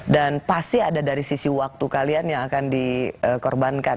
pasti ada dari sisi waktu kalian yang akan dikorbankan